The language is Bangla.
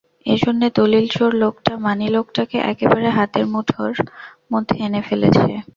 এজন্যে দলিল-চোর লোকটা মানী লোকটাকে একেবারে হাতের মুঠোর মধ্যে এনে ফেলেছে।